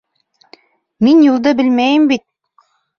Мин юлды белмәйем бит...